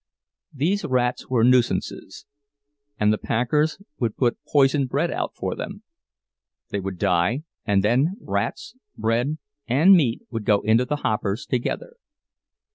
These rats were nuisances, and the packers would put poisoned bread out for them; they would die, and then rats, bread, and meat would go into the hoppers together.